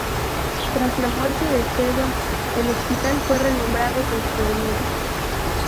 Tras la muerte de Sheba, el hospital fue renombrado en su honor.